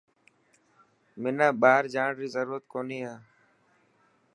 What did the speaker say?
حنا ٻاهر جاڻ ري ضرورت ڪونهي هي.